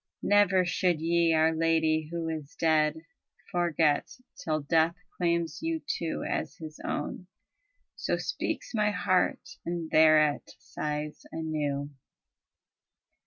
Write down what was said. Never should ye our Lady who is dead Forget, till death claims you too as his own." So speaks my heart, and thereat sighs anew.